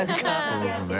そうですね。